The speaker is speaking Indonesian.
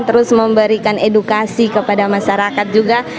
terus memberikan edukasi kepada masyarakat juga